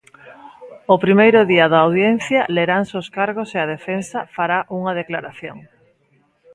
O primeiro día da audiencia leranse os cargos e a defensa fará unha declaración.